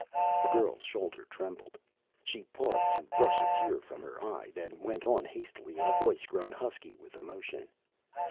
The girl's shoulder trembled; she paused to brush a tear from her eye, then went on hastily, in a voice grown husky with emotion.